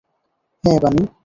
হ্যাঁ, বানি।